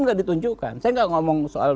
tidak ditunjukkan saya tidak ngomong soal